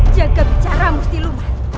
jaga bicara mustiluman